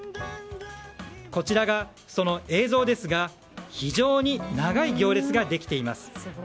こちらがその映像ですが非常に長い行列ができています。